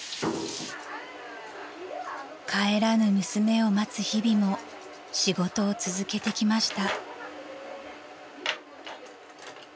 ［帰らぬ娘を待つ日々も仕事を続けてきました］